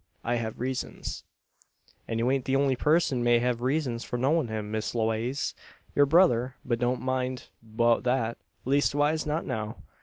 I have reasons." "An' you ain't the only purson may hev reezuns for knowin' him, Miss Lewaze. Yur brother but never mind 'beout that leastwise not now.